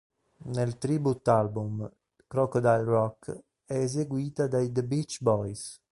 Nel tribute album "Crocodile Rock" è eseguita dai The Beach Boys.